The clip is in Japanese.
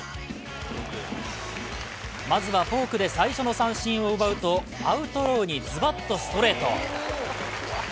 まずはフォークで最初の三振を奪うとアウトローにズバッとストレート。